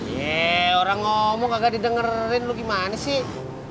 yeee orang ngomong agak didengerin lo gimana sih